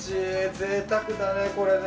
ぜいたくだね、これね。